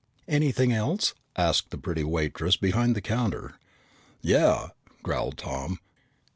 "Anything else?" asked the pretty waitress behind the counter. "Yeah," growled Tom.